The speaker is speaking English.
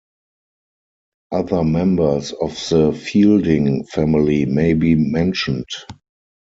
Other members of the Feilding family may be mentioned.